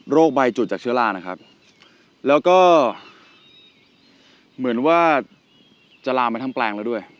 ใบจุดจากเชื้อรานะครับแล้วก็เหมือนว่าจะลามมาทั้งแปลงแล้วด้วย